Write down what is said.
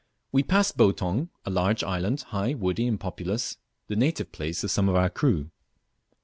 We passed Boutong, a large island, high, woody, and populous, the native place of some of our crew.